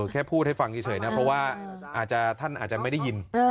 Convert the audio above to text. แค่พูดให้ฟังเฉยนะเพราะว่าท่านอาจจะไม่ได้ยิน